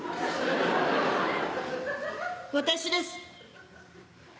私です。